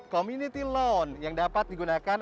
community loan yang dapat digunakan